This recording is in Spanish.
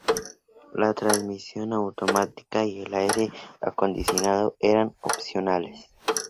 La transmisión automática y el aire acondicionado eran opcionales.